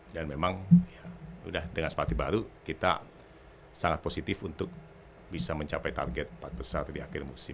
dan memang yaudah dengan pelatih baru kita sangat positif untuk bisa mencapai target yang besar di akhir musim